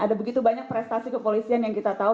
ada begitu banyak prestasi kepolisian yang kita tahu